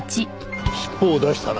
尻尾を出したな。